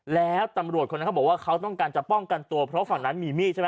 แล้วตำรวจคนนั้นเขาบอกว่าเขาต้องการจะป้องกันตัวเพราะฝั่งนั้นมีมีดใช่ไหม